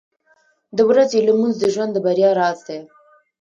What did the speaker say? • د ورځې لمونځ د ژوند د بریا راز دی.